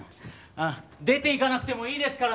出て行かなくてもいいですからね。